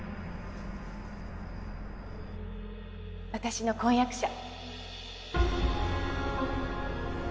私の婚約者